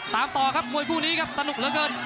ตามต่อครับมวยคู่นี้ครับสนุกเหลือเกิน